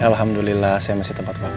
alhamdulillah saya masih tempat banget